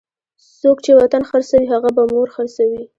څوک چې وطن خرڅوي هغه به مور خرڅوي.